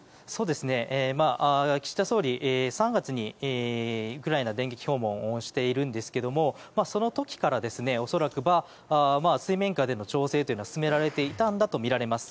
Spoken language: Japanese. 岸田総理３月にウクライナ電撃訪問をしているんですがその時から恐らく水面下での調整は進められていたとみられます。